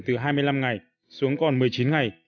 từ hai mươi năm ngày xuống còn một mươi chín ngày